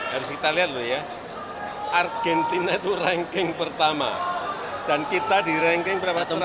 harus kita lihat dulu ya argentina itu ranking pertama dan kita di ranking satu ratus empat puluh sembilan